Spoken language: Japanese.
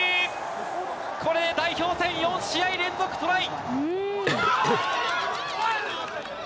これで代表戦４試合連続トライ。